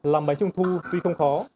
làm bánh trung thu tuy không khó